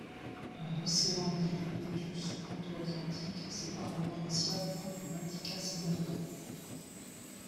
Un océan dit Iapétus ou proto-Atlantique sépare la Laurentia du couple Baltica-Sibéria.